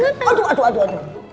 aduh aduh aduh